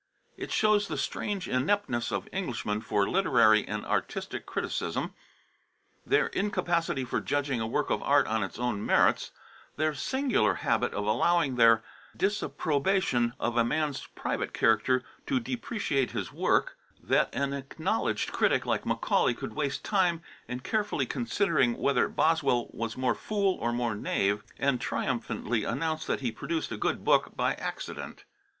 It shows the strange ineptness of Englishmen for literary and artistic criticism, their incapacity for judging a work of art on its own merits, their singular habit of allowing their disapprobation of a man's private character to depreciate his work, that an acknowledged critic like Macaulay could waste time in carefully considering whether Boswell was more fool or more knave, and triumphantly announce that he produced a good book by accident.